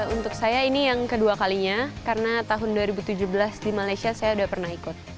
untuk saya ini yang kedua kalinya karena tahun dua ribu tujuh belas di malaysia saya udah pernah ikut